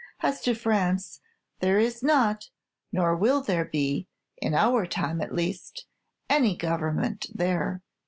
As to France, there is not, nor will there be, in our time at least, any Government there.